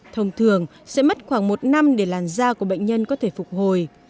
thông thường sẽ mất khoảng một năm để làn da của bệnh nhân có thể phục hồi